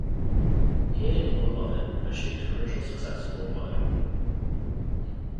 "Hate It or Love It" achieved commercial success worldwide.